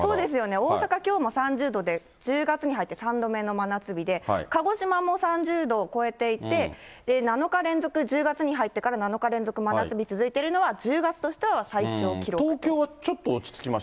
大阪、きょうも３０度で１０月に入って３度目の真夏日で、鹿児島も３０度を超えていて、７日連続１０月に入ってから７日連続真夏日続いてるのは、東京はちょっと落ち着きまし